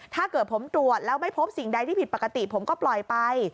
ถ้าเกิดผมตรวจแล้วไม่พบสิ่งใดที่ผิดปกติผมก็ปล่อยไป